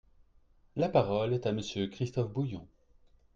La parole est à Monsieur Christophe Bouillon.